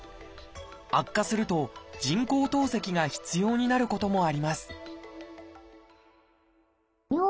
悪化すると人工透析が必要になることもあります